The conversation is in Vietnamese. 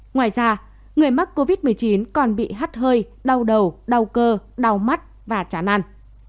ngoài ra người mắc covid một mươi chín còn bị hắt hơi đau đầu đau cơ đau mắt và chán ăn